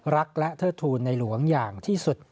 รักและเทิดทูลในหลวงอย่างที่สุด